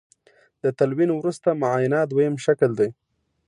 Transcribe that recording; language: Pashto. د تلوین وروسته معاینه دویم شکل دی.